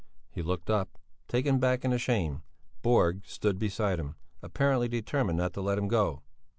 He looked up, taken back and ashamed. Borg stood beside him, apparently determined not to let him go.